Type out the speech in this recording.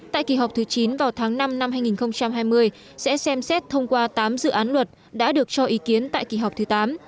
tại kỳ họp thứ chín vào tháng năm năm hai nghìn hai mươi sẽ xem xét thông qua tám dự án luật đã được cho ý kiến tại kỳ họp thứ tám